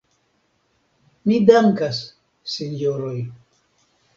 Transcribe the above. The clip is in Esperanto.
Mi dankas, sinjoroj.